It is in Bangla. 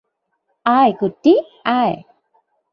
আয়, কুট্টি, আয়!